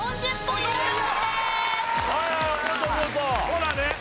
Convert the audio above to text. ほらね。